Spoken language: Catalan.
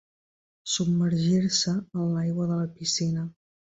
Submergir-se en l'aigua de la piscina.